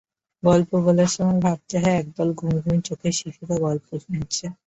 গল্প বলার সময় ভাবতে হয়, এক দল ঘুম-ঘুম চোখের শিশুরা গল্প শুনছে।